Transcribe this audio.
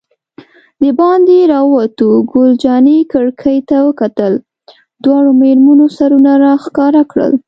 دباندې راووتو، ګل جانې کړکۍ ته وکتل، دواړو مېرمنو سرونه را ښکاره کړل.